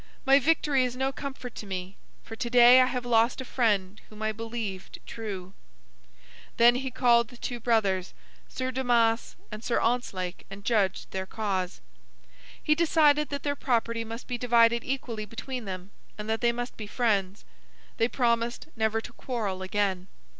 My victory is no comfort to me, for to day I have lost a friend whom I believed true." Then he called the two brothers, Sir Damas and Sir Ontzlake, and judged their cause. He decided that their property must be divided equally between them, and that they must be friends. They promised never to quarrel again.